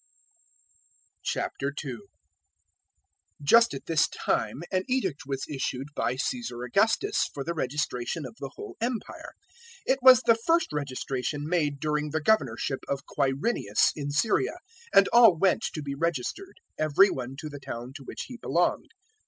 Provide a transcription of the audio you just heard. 002:001 Just at this time an edict was issued by Caesar Augustus for the registration of the whole Empire. 002:002 It was the first registration made during the governorship of Quirinius in Syria; 002:003 and all went to be registered every one to the town to which he belonged.